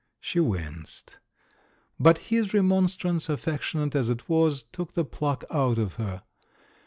She winced. But his remon strance, affectionate as it was, took the pluck out of her.